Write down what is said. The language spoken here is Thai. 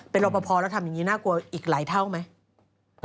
เป็นรอปภแล้วทำอย่างนี้น่ากลัวอีกหลายเท่าไหม